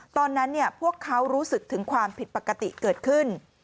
ตอนนั้นพวกเขารู้สึกถึงความผิดปกติเกิดขึ้น